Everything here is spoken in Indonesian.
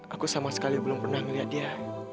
aku sama sekali belum pernah melihat dia